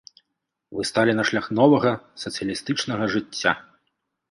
Вы сталі на шлях новага, сацыялістычнага жыцця.